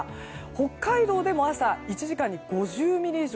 北海道でも朝１時間に５０ミリ以上。